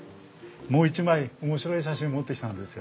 もう一枚面白い写真持ってきたんですよ。